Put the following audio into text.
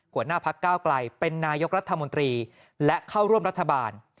หัวหน้าพักก้าวไกลเป็นนายกรัฐมนตรีและเข้าร่วมรัฐบาล